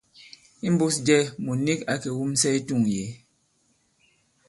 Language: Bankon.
Imbūs jɛ, mùt nik ǎ kè wumsɛ i tûŋ yě.